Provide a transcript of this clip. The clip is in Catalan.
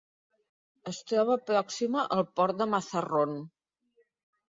Es troba pròxima al Port de Mazarrón.